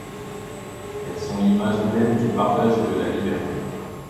Elles sont l'image même du partage et de la liberté.